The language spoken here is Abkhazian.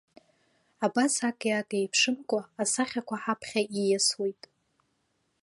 Абас аки-аки еиԥшымкәа асахьақәа ҳаԥхьа ииасуеит.